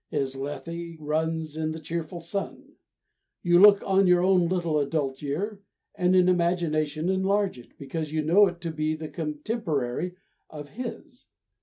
His Lethe runs in the cheerful sun. You look on your own little adult year, and in imagination enlarge it, because you know it to be the contemporary of his.